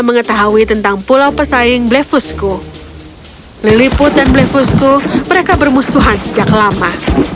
mengetahui tentang pulau pesaing blefusku lilliput dan blefusku mereka bermusuhan sejak lama